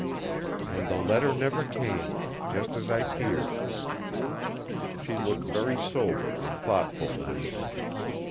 'And the letter never came just as I feared.' She looked very sober and thoughtful then.